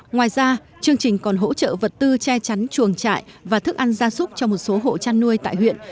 ngoài ra chương trình còn hỗ trợ vật tư che chắn chuồng trại và thức ăn gia súc cho một số hộ chăn nuôi tại huyện